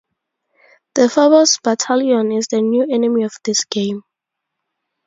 The Phobos Battalion is the new enemy of this game.